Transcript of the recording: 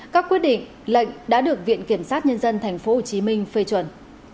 các quyết định lệnh đã được viện kiểm sát nhân dân tp hcm phê chuẩn